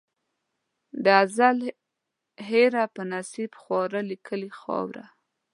د ازل هېره په نصیب خواره لیکلې خاوره